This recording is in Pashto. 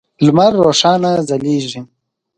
لمر روښانه ځلیږی